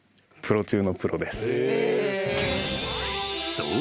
［そう。